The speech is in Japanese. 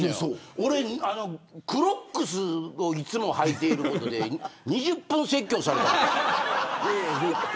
俺、クロックスをいつも履いてることで２０分説教されたことあって。